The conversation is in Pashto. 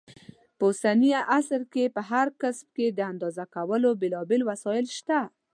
په اوسني عصر کې په هر کسب کې د اندازه کولو بېلابېل وسایل شته.